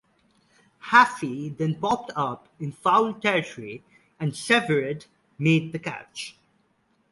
Hafey then popped up in foul territory, and Severeid made the catch.